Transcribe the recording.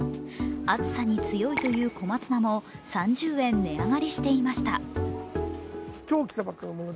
暑さに強いという小松菜も３０円値上がりしていました。